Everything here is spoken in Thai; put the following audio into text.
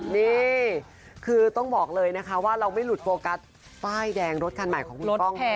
นี่คือต้องบอกเลยนะคะว่าเราไม่หลุดโฟกัสป้ายแดงรถคันใหม่ของคุณก้อง